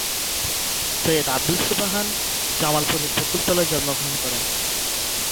সৈয়দ আব্দুস সোবহান জামালপুরের বকুলতলায় জন্মগ্রহণ করেন।